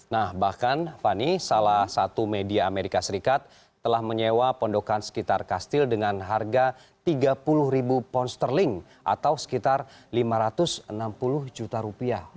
nah bahkan fani salah satu media amerika serikat telah menyewa pondokan sekitar kastil dengan harga tiga puluh ribu pound sterling atau sekitar lima ratus enam puluh juta rupiah